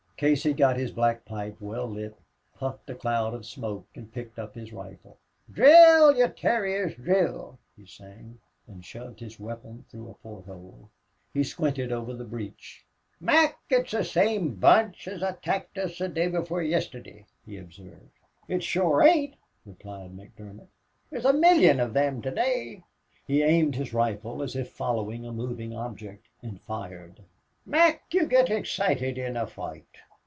Casey got his black pipe well lit, puffed a cloud of smoke, and picked up his rifle. "Drill, ye terriers, drill!" he sang, and shoved his weapon through a port hole. He squinted, over the breech. "Mac, it's the same bunch as attacked us day before yisteddy," he observed. "It shure ain't," replied McDermott. "There's a million of thim to day." He aimed his rifle as if following a moving object, and fired. "Mac, you git excited in a foight.